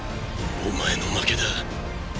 お前の負けだ。